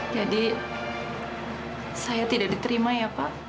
jadi saya tidak diterima ya pak